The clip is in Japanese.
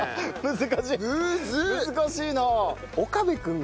難しいな。